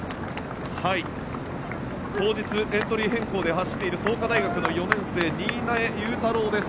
当日エントリー変更で走っている創価大学の４年生新家裕太郎です。